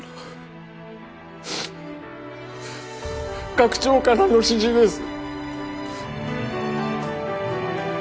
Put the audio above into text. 学長からの指示です。